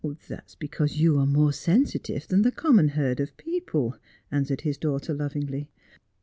' That is because you are more sensitive than the common herd of people,' answered his daughter lovingly.